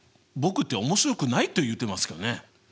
僕って面白くないと言ってますかね？